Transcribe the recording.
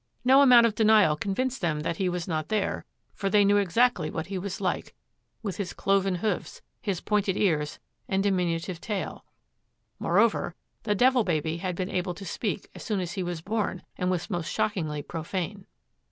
No amount of denial convinced them that he was not there, for they knew exactly what he was like, with his cloven hoofs, his pointed ears and diminutive tail; moreover, the Devil Baby had been able to speak as soon as he was born and was most shockingly profane.